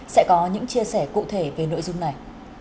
sẽ có những chia sẻ cụ thể về nội dung này